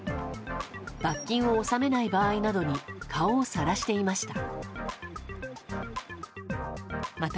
罰金を納めない場合などに顔をさらしていました。